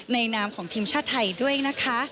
นามของทีมชาติไทยด้วยนะคะ